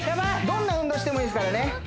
どんな運動してもいいですからね